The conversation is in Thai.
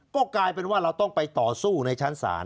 ก็กลายเป็นว่าเราต้องไปต่อสู้ในชั้นศาล